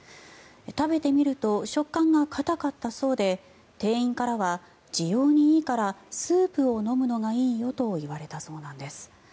食べてみると食感が硬かったそうで店員からは、滋養にいいからスープを飲むのがいいよと言われたそうです。